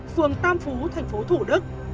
phường tam phú thành phố thủ đức